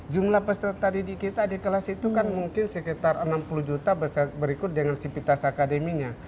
jumlah peserta didik kita di kelas itu kan mungkin sekitar enam puluh juta berikut dengan sivitas akademinya